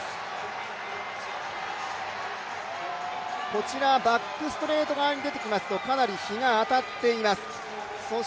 こちら、バックストレート側に出てきますと、かなり日が当たっています。